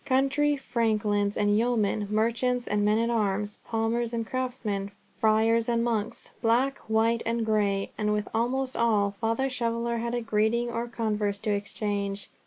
Country franklins and yeomen, merchants and men at arms, palmers and craftsmen, friars and monks, black, white, and grey, and with almost all, Father Shoveller had greeting or converse to exchange.